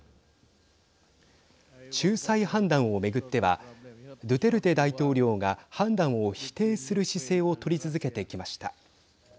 仲裁判断をめぐってはドゥテルテ大統領が判断を否定する姿勢を取り続けてきました。